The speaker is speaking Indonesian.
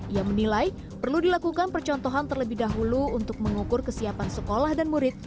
ia menilai perlu dilakukan percontohan terlebih dahulu untuk mengukur kesiapan sekolah dan murid